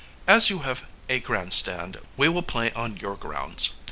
As you have a grandstand we will play on your grounds.